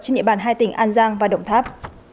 trên địa bàn hai tỉnh an giang và đồng tháp